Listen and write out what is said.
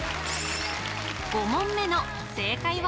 ５問目の正解は？